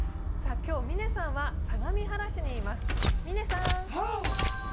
今日、嶺さんは相模原市にいます、嶺さん。